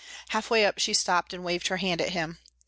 Half way up she stopped and waved her hand at him.